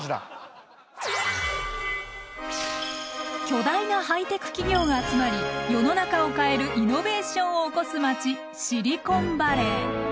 巨大なハイテク企業が集まり世の中を変えるイノベーションを起こす街シリコンバレー。